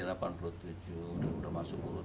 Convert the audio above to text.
beliau udah masuk guru tk